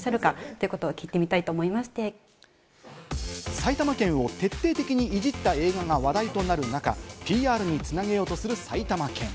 埼玉県を徹底的にイジった映画が話題となる中、ＰＲに繋げようとする埼玉県。